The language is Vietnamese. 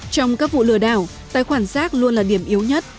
trong các vụ lừa đảo tài khoản giác luôn là điểm yếu nhất